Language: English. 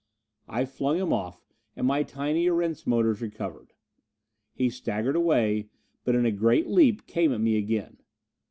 I flung him off, and my tiny Erentz motors recovered. He staggered away, but in a great leap came at me again.